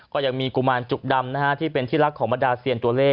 ก็ยังมีกุมารจุกดำที่เป็นที่รักของบรรดาเซียนตัวเลข